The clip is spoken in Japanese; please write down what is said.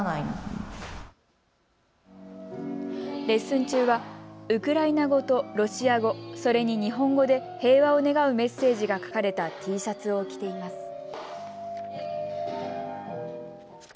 レッスン中はウクライナ語とロシア語、それに日本語で平和を願うメッセージが書かれたＴシャツを着ています。